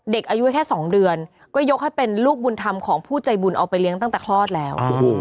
เด็กอายุแค่๒เดือนก็ยกให้เป็นลูกบุญธรรมของผู้ใจบุญเอาไปเลี้ยงตั้งแต่คลอดแล้ว